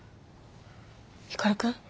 光くん？